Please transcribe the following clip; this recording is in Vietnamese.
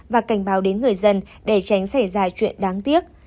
và cảnh báo đến người dân để tránh xảy ra chuyện đáng tiếc